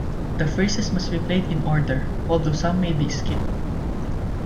The phrases must be played in order, although some may be skipped.